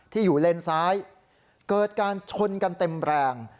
ที่อยู่เลนซ้ายเกิดการชนกันเต็มแรง